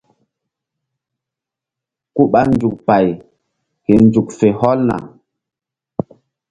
Ku ɓa nzuk pay ke nzuk fe hɔlna.